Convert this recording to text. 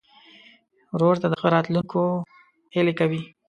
ورور ته د ښو راتلونکو هیلې کوې.